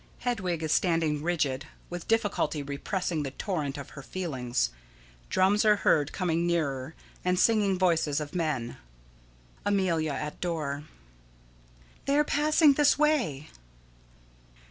[_Hedwig is standing rigid, with difficulty repressing the torrent of her feelings. Drums are heard coming nearer, and singing voices of men._] Amelia: [At door.] They are passing this way.